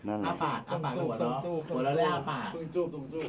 อ้าปากอ้าปากถูกหรอ